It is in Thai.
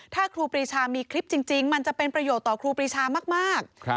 ถ้าครูปรีชามีคลิปจริงมันจะเป็นประโยชน์ต่อครูปรีชามาก